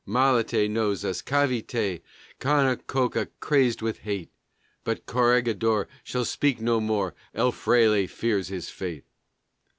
Malate knows us, Cavité, Cañacoa crazed with hate; But Corregidor shall speak no more, El Fraile fears his fate.